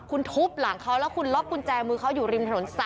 คุณทุบหลังเขาแล้วคุณล็อกกุญแจมือเขาอยู่ริมถนน๓